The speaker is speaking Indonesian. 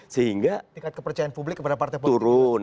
sehingga tingkat kepercayaan publik kepada partai turun